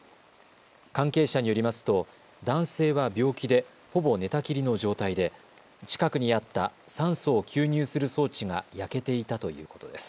関係者によりますと男性は病気で、ほぼ寝たきりの状態で近くにあった酸素を吸入する装置が焼けていたということです。